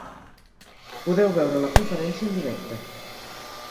Podeu veure la conferència en directe.